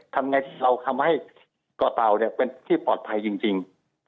ทำยังไงที่เราทำให้กอเตาเป็นที่ปลอดภัยจริง